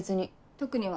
特には。